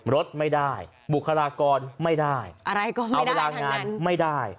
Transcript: รถไม่ได้บุคลากรไม่ได้อะไรก็เอาเวลางานไม่ได้